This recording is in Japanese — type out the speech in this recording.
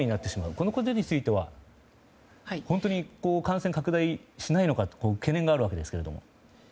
このことについては本当に感染拡大しないのか懸念があるわけですが。